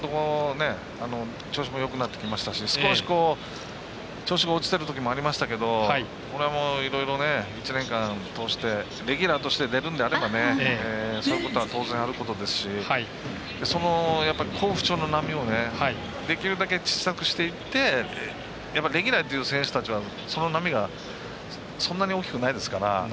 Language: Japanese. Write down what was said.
調子よくなってきましたし落ちてるときもありましたけど、いろいろ１年間通して、レギュラーとして出るのであれば、そういうことは当然あることですしその好不調の波をできるだけ小さくしていってできないっていう選手たちはその波がそんなに大きくないですから。